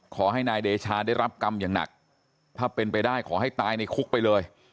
ขอให้นายเดชาได้รับกรรมอย่างหนักถ้าเป็นไปได้ขอให้ตายในคุกไปเลย